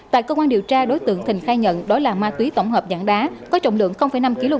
tại cơ quan điều tra đối tượng thình khai nhận đó là ma túy tổng hợp dạng đá có trọng lượng năm kg